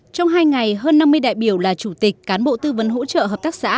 trong hai ngày hơn năm mươi đại biểu là chủ tịch cán bộ tư vấn hỗ trợ hợp tác xã